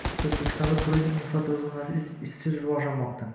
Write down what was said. O‘zbekistonda turizm infratuzilmasi izchil rivojlanmoqda